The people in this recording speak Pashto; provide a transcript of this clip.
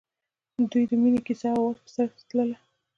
د دوی د مینې کیسه د اواز په څېر تلله.